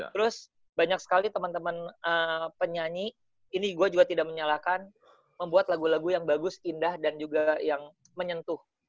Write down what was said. terus banyak sekali teman teman penyanyi ini gue juga tidak menyalakan membuat lagu lagu yang bagus indah dan juga yang menyentuh